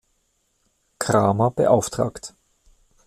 Cramer beauftragt.